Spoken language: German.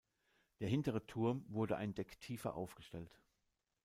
Der hintere Turm wurde ein Deck tiefer aufgestellt.